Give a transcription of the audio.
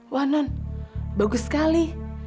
wah non bagus sekali